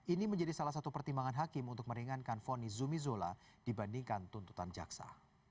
ini menjadi salah satu pertimbangan hakim untuk meringankan foni zumi zola dibandingkan tuntutan jaksa